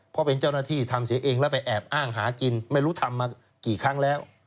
เพราะเป็นเจ้าหน้าที่ทำเสียเองแล้วไปแอบอ้างหากินไม่รู้ทำมากี่ครั้งแล้ว